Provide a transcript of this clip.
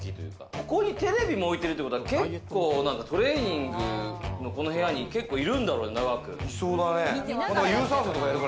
ここにテレビも置いてるということは結構、トレーニングのこの部屋に結構いるんだろうね、長く。